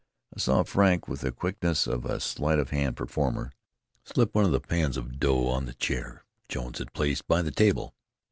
I saw Frank, with the quickness of a sleight of hand performer, slip one of the pans of dough on the chair Jones had placed by the table.